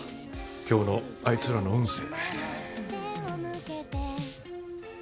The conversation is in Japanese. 今日のあいつらの運勢。